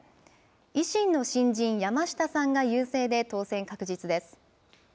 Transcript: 維新の新人、山下さんが優勢で当選確実です。